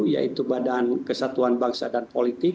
yaitu badan kesatuan bangsa dan politik